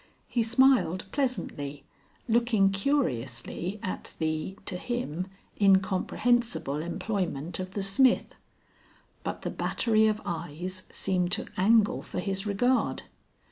He smiled pleasantly, looking curiously at the (to him) incomprehensible employment of the smith. But the battery of eyes seemed to angle for his regard.